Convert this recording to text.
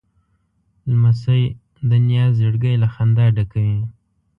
لمسی د نیا زړګی له خندا ډکوي.